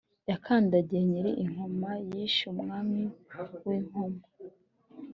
yakandagiye nyiri i nkoma: yishe umwami w’i nkoma (ni ntare iii kivimira)